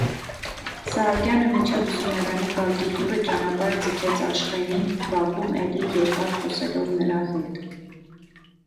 Սահակյանը մինչև ուսումնարանի բակի դուռը ճանապարհ ձգեց Աշխենին, բակում էլի երկար խոսելով նրա հետ: